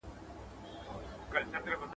• چي چرگ نه وو، اذان چا کاوه؟